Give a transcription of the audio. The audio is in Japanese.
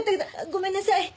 ごめんなさい。